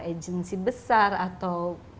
agency besar atau